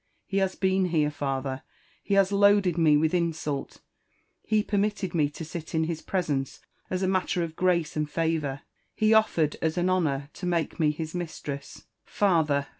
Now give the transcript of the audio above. — He has been here, father ; he has loaded me with insult — he permitted me to sit in his presence as a matter of grace and favour— he oflered, as an honour, to make me his mistress. Father